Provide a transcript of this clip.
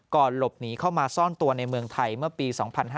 หลบหนีเข้ามาซ่อนตัวในเมืองไทยเมื่อปี๒๕๕๙